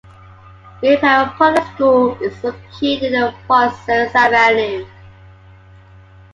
Milperra Public School is located on Pozieres Avenue.